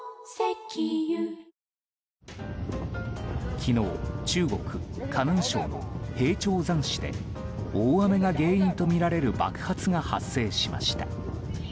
昨日中国・河南省の平頂山市で大雨が原因とみられる爆発が発生しました。